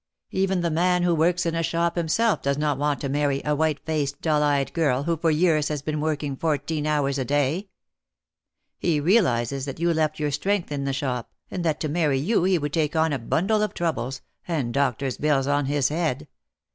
Even the man who works in a shop himself does not want to marry a white faced dull eyed girl who for years has been working fourteen hours a day. He realises that you left your strength in the shop, and that to marry you he would take on a bundle of troubles, and doctor's bills on his head.